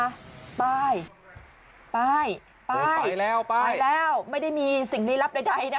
ไปไปไปไปแล้วไปแล้วไม่ได้มีสิ่งนี้รับใดใดนะคะ